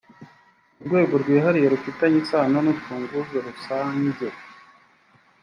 urwego rwihariye rufitanye isano n’urufunguzo rusange